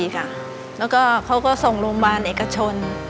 แล้วเขาก็ส่งโรงการเอกชน